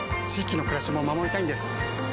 域の暮らしも守りたいんです。